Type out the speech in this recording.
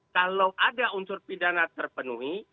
kalau ada unsur pidana terpenuhi